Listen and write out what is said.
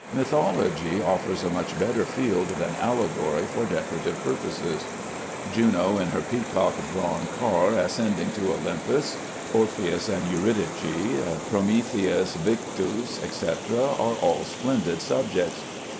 Mythology offers a much better field than allegory for decorative purposes. "Juno in her Peacock drawn Car Ascending to Olympus," "Orpheus and Eurydice," "Prometheus Vinctus," etc., etc., are all splendid subjects.